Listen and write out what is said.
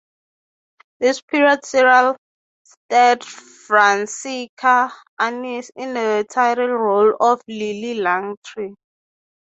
This period serial starred Francesca Annis in the title role of Lillie Langtry.